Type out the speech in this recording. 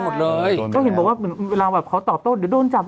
เขียนว่าเวลาเค้าตอบโต้ดหรือโดนจับ